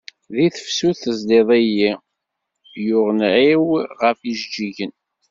Di tefsut tezliḍ-iyi, yuɣ nnɛi-w ɣef ijeǧǧigen.